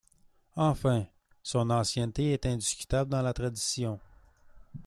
Enfin, son ancienneté est indiscutable dans la tradition.